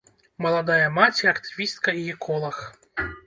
Маладая маці, актывістка і эколаг.